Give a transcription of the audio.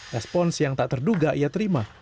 respons yang tak terduga ia terima